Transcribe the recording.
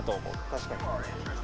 確かに。